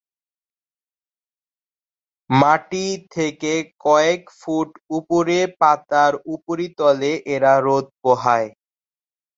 মাটি থেকে কয়েক ফুট উপড়ে পাতার উপরিতলে এরা রোদ পোহায়।